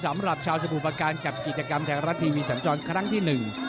สำหรับชาวสมุทรประการกับกิจกรรมไทยรัฐทีวีสันจรครั้งที่หนึ่ง